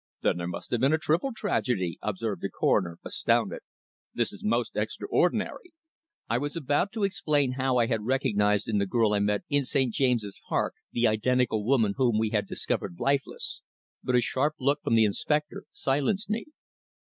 "Then there must have been a triple tragedy," observed the Coroner, astounded. "This is most extraordinary." I was about to explain how I had recognised in the girl I met in St. James's Park the identical woman whom we had discovered lifeless, but a sharp look from the inspector silenced me.